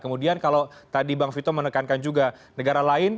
kemudian kalau tadi bang vito menekankan juga negara lain